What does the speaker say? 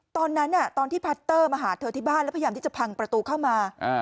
ตอนที่พัตเตอร์มาหาเธอที่บ้านแล้วพยายามที่จะพังประตูเข้ามา